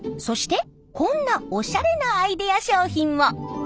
そしてこんなおしゃれなアイデア商品も。